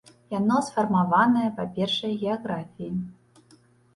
Яна сфармаваная, па-першае, геаграфіяй.